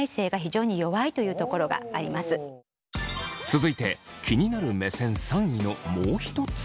続いて気になる目線３位のもう一つ。